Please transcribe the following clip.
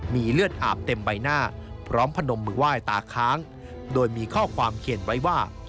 มีเลือดอาบเต็มใบหน้าพร้อมพนมมือไหว้ตาค้างโดยมีข้อความเขียนไว้ว่า